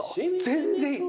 全然いい！